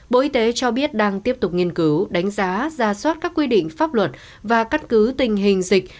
bộ y tế cho biết đang tiếp tục nghiên cứu đánh giá ra soát các quy định pháp luật và căn cứ tình hình dịch